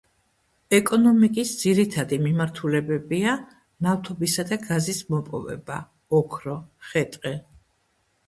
ეკონომიკის ძირითადი მიმართულებებია ნავთობისა და გაზის მოპოვება, ოქრო, ხე–ტყე.